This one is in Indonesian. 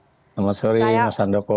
selamat sore mas handoko